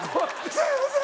すみません。